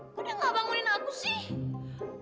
kok dia gak bangunin aku sih